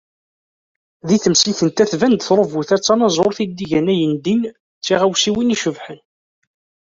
Di temsikent-a, tban-d trubut-a d tanaẓurt i d-igan ayendin d tiɣawsiwin icebḥen.